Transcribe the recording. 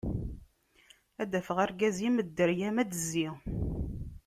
Ad d-afeɣ argaz-im, dderya-m ad d-tezzi...